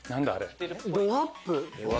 どアップ？